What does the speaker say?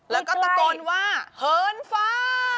แล้วก็ตะโกนว่าเหินฟ้า